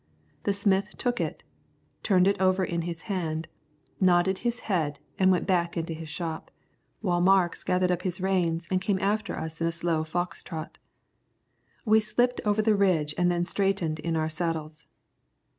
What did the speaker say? The smith took it, turned it over in his hand, nodded his head and went back into his shop, while Marks gathered up his reins and came after us in a slow fox trot. We slipped over the ridge and then straightened in our saddles.